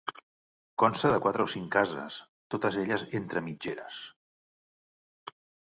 Consta de quatre o cinc cases, totes elles entre mitgeres.